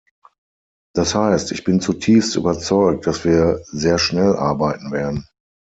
Das heißt, ich bin zutiefst überzeugt, dass wir sehr schnell arbeiten werden.